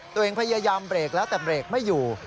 ตัวเองพยายามเบรกแล้วแต่เบรกไม่อยู่